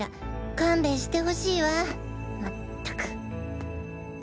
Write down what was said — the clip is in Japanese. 勘弁してほしいわまったく。